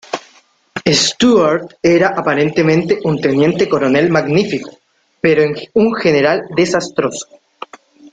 Stewart era aparentemente un Teniente Coronel magnífico, pero un General desastroso.